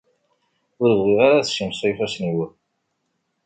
Ur bɣiɣ ara ad simseɣ ifassen-iw.